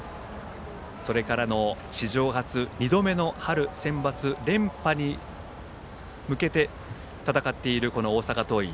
それからの史上初２度目の春センバツ連覇に向けて戦っている大阪桐蔭。